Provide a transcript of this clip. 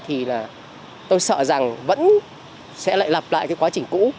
thì là tôi sợ rằng vẫn sẽ lại lặp lại cái quá trình cũ